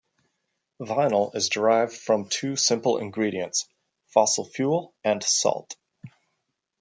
Vinyl is derived from two simple ingredients: fossil fuel and salt.